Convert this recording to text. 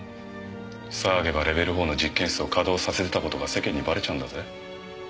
騒げばレベル４の実験室を稼動させてた事が世間にばれちゃうんだぜ。